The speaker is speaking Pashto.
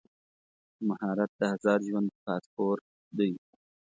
مهارت د ازاد ژوند پاسپورټ دی.